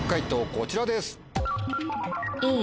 こちらです。